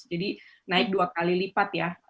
jadi naik dua kali lipat ya